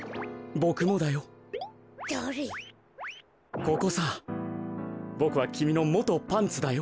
ボクはきみのもとパンツだよ。